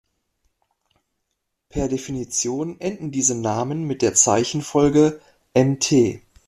Per Definition enden diese Namen mit der Zeichenfolge "Mt".